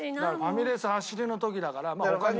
ファミレス走りの時だからまあ他にも。